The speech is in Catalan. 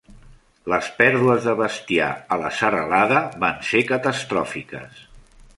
Les pèrdues de bestiar a la serralada van ser catastròfiques.